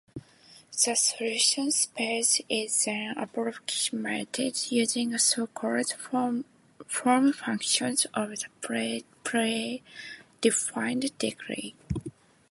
The solution space is then approximated using so called form-functions of a pre-defined degree.